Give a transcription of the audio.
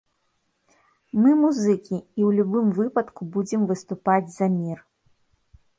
Мы музыкі, і ў любым выпадку будзем выступаць за мір.